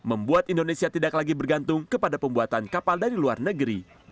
membuat indonesia tidak lagi bergantung kepada pembuatan kapal dari luar negeri